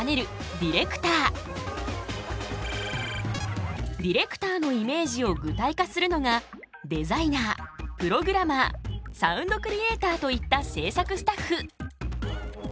ディレクターのイメージを具体化するのがデザイナープログラマーサウンドクリエーターといった制作スタッフ。